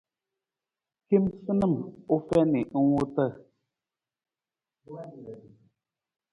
Kemasanam u fiin ng wuta.